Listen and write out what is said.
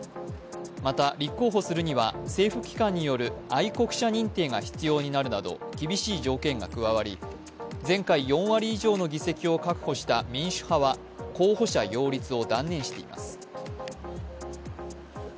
また、立候補するには政府機関による愛国者認定が必要になるなど厳しい条件が加わり、前回４割以上の議席を確保した民主派は候補者擁立を断念しています。